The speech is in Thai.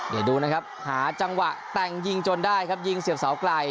เดี๋ยวดูนะครับหาจังหวะแต่งยิงจนได้ครับยิงเสียบเสาไกล